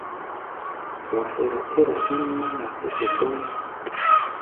Wa hɛra ɛ́r-a ín náŋ-a tɛ́ te gbáŋ.